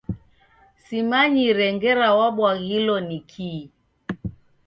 Simanyire ngera wabwaghilo ni kii.